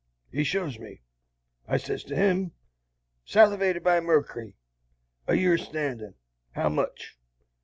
He shows me. I sez to him, 'Salviated by merkery, a year's standin', how much?'